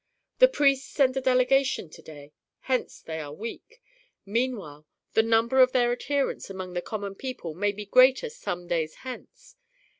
The priests send a delegation to day, hence they are weak. Meanwhile the number of their adherents among the common people may be greater some days hence.